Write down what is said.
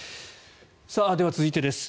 では続いてです。